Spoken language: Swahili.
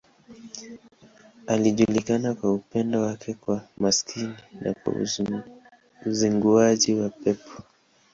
Alijulikana kwa upendo wake kwa maskini na kwa uzinguaji wa pepo.